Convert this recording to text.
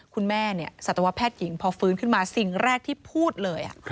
คุณแม่เนี่ยสัตวแพทย์หญิงพอฟื้นขึ้นมาสิ่งแรกที่พูดเลย